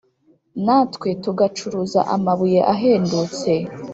Natwe tugacuruza amabuye ahendutse